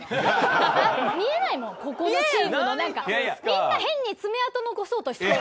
みんな変に爪痕残そうとしてる。